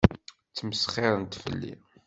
Ttmesxiṛent fell-i.